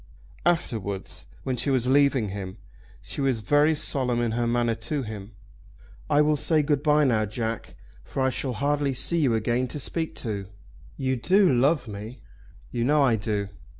Afterwards, when she was leaving him, she was very solemn in her manner to him. "I will say good bye now, Jack, for I shall hardly see you again to speak to. You do love me?" "You know I do."